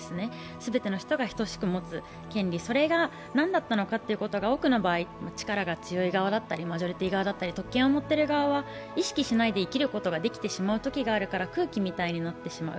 全ての人が等しく持つ権利、それが何だったのかっていうのが、多くの場合、力が強い側だったりマジョリティー側だったり、特権を持ってる側は意識しないで生きることができてしまうから空気みたいになってしまう。